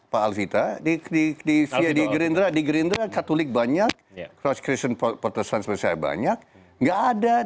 pak alvita di gerindra di gerindra katolik banyak cross christian protestants banyak nggak ada